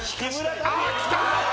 あっきた！